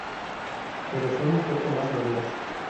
Pero son un poco más maduras.